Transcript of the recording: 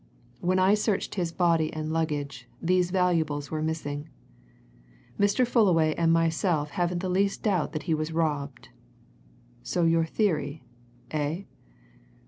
When I searched his body and luggage, these valuables were missing. Mr. Fullaway and myself haven't the least doubt that he was robbed. So your theory eh?"